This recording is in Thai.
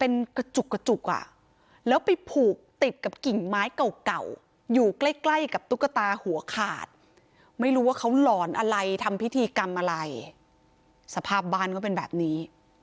ไม่รู้ว่าเขาหลอนอะไรทำพิธีกรรมอะไรสภาพบ้านก็เป็นแบบนี้